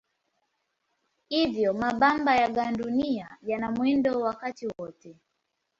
Hivyo mabamba ya gandunia yana mwendo wakati wote.